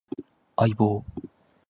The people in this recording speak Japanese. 相棒